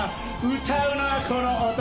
歌うのはこの男。